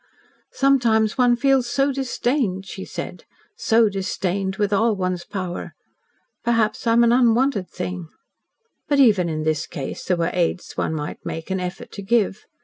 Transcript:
"Sometimes one feels so disdained," she said "so disdained with all one's power. Perhaps I am an unwanted thing." But even in this case there were aids one might make an effort to give.